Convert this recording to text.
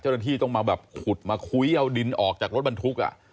เจ้าหน้าที่ต้องมาแบบขุดมาคุยเอาดินออกจากรถบรรทุกอ่ะ